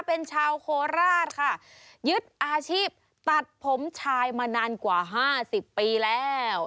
เป็นชาวโคราชค่ะยึดอาชีพตัดผมชายมานานกว่าห้าสิบปีแล้ว